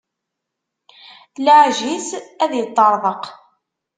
Laɛej it, ad iṭṭerḍeq.